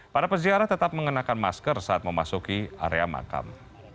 para peziarah tetap mengenakan masker saat memasuki area makam